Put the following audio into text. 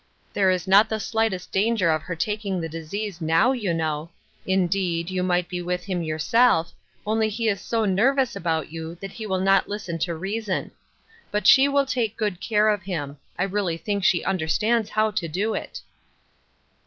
There is not the slightest danger of her taking the dis ease now^ you know; indeed, you might be with The Cross of Helplessness. 187 him yourself, only he is so nervous about you that he will not listen to reason. But she will take good care of him. I really think she understands how to do it."